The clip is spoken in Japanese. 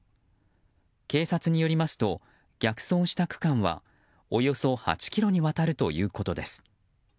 警察によりますと逆走した区間はおよそ８ｋｍにわたるということです。